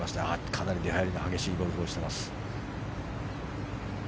かなり出入りの激しいゴルフをしてます。